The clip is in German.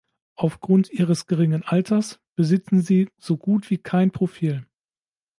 Aufgrund ihres geringen Alters besitzen sie so gut wie kein Profil.